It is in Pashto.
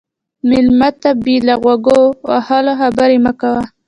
مېلمه ته بې له غوږ وهلو خبرې مه کوه.